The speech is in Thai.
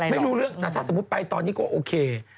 ไม่รู้เรื่องแต่ถ้าสมมุติไปตอนนี้ก็โอเค